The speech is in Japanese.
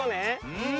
うん。